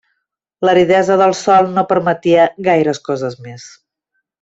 L'aridesa del sòl no permetia gaires coses més.